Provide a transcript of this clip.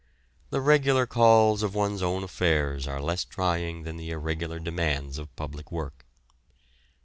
The regular calls of one's own affairs are less trying than the irregular demands of public work.